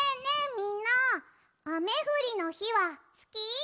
みんなあめふりのひはすき？